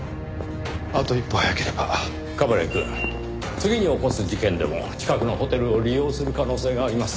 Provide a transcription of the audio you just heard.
次に起こす事件でも近くのホテルを利用する可能性があります。